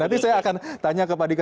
nanti saya akan tanya ke pak dika